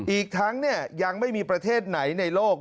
อีกทั้งยังไม่มีประเทศไหนในโลก